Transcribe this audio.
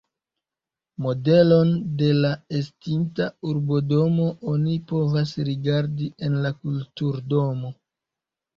Modelon de la estinta urbodomo oni povas rigardi en la kulturdomo.